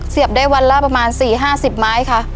เสียบได้วันละประมาณ๔๕๐ไม้ค่ะ